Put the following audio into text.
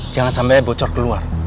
jangan sampai bocor keluar